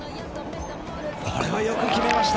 これはよく決めました。